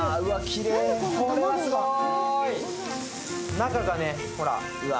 これはすごーい！